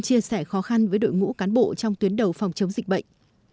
chia sẻ khó khăn với đội ngũ cán bộ trong tuyến đầu phòng chống dịch bệnh